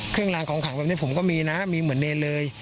กลางของขังแบบนี้ผมก็มีนะมีเหมือนเนรเลย